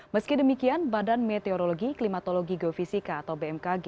meski demikian badan meteorologi klimatologi geofisika atau bmkg